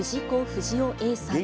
不二雄Ａさん。